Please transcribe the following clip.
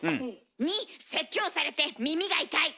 ２説教されて耳が痛い。